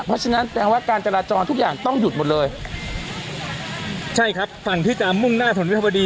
เพราะฉะนั้นแสดงว่าการจราจรทุกอย่างต้องหยุดหมดเลยใช่ครับฝั่งที่จะมุ่งหน้าถนนวิภาวดี